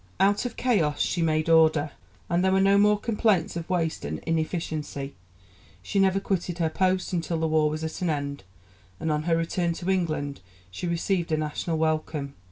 Out of chaos she made order, and there were no more complaints of waste and inefficiency. She never quitted her post until the war was at an end, and on her return to England she received a national welcome.